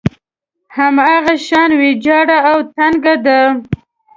هماغه شان ويجاړه او تنګه ده.